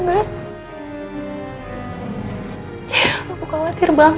aku selalu di rumahmu